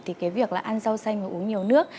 thì việc ăn rau xanh và uống nhiều nước